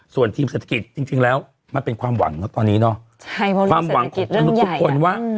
ส่วนทีมเศรษฐกิจจริงแล้วมันเป็นความหวังเนอะตอนนี้เนาะความหวังของมนุษย์ทุกคนว่า